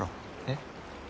えっ？